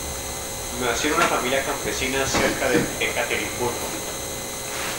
Nació en una familia campesina cerca de Ekaterimburgo.